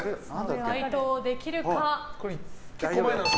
解答できるか。